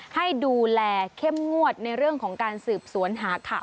ให้ดูแลเข้มงวดในเรื่องของการสืบสวนหาข่าว